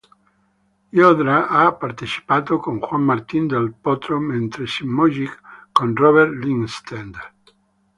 Llodra ha partecipato con Juan Martín del Potro mentre Zimonjić con Robert Lindstedt.